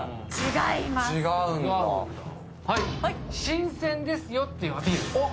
新鮮ですよっていうアピール。